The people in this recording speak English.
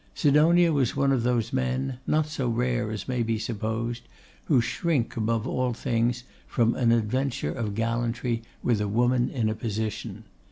Sidonia was one of those men, not so rare as may be supposed, who shrink, above all things, from an adventure of gallantry with a woman in a position.